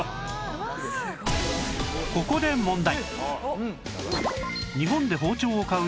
ここで問題